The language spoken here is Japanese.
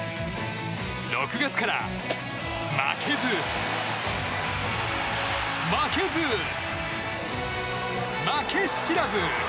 ６月から負けず、負けず負け知らず！